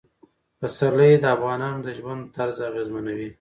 پسرلی د افغانانو د ژوند طرز اغېزمنوي.